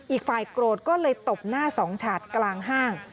อีกฝ่ายโกรธก็เลยตบหน้าสองฉาดกลางห้าง